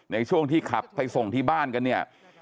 ในช่วงที่ขับไปส่งที่บ้านกันเนี่ย